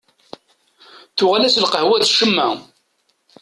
Tuɣal-as lqahwa d ccemma.